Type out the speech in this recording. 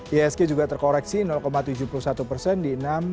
iisk juga terkoreksi tujuh puluh satu persen di enam delapan ratus dua puluh enam